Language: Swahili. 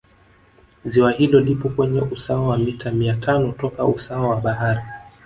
Ziwa hilo lipo kwenye usawa wa mita mia tano toka usawa wa bahari